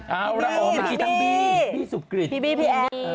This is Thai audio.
เอาล่ะพี่บี